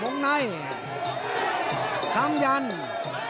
ครั้งญานแข่งซ้ายคอยสด